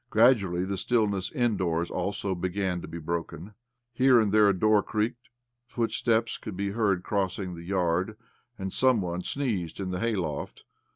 Gradually the stillness indoors also began to be broken. Here and there a door creaked, footsteps could be heard crossing the yard, and some one sneezed in the hay loft.